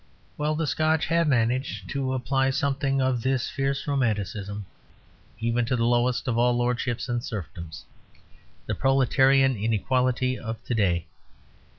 Well, the Scotch have managed to apply something of this fierce romanticism even to the lowest of all lordships and serfdoms; the proletarian inequality of today.